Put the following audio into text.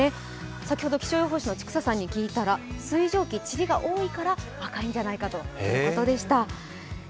先ほど気象予報士の千種さんに聞いたら、水蒸気はちりが多いから赤いんじゃないかということでした。